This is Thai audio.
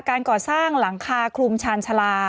การก่อสร้างหลังคาคลุมชาญชาลา